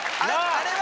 あれは。